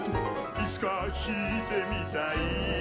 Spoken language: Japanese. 「いつか弾いてみたい」